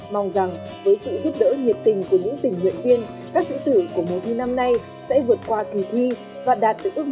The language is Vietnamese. mong rằng với sự giúp đỡ nhiệt tình của những tình nguyện viên các sĩ tử của mùa thi năm nay sẽ vượt qua kỳ thi và đạt được ước